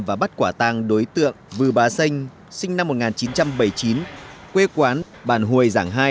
và bắt quả tàng đối tượng vư bá xanh sinh năm một nghìn chín trăm bảy mươi chín quê quán bàn hồi giảng hai